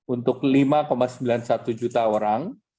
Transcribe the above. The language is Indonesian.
untuk lima sembilan puluh satu juta orang